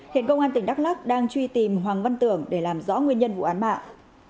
hiện công an tỉnh đắk lắc đang truy tìm hoàng văn tưởng để làm rõ nguyên nhân vụ án mạng